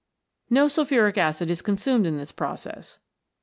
No sulphuric acid is consumed in this process.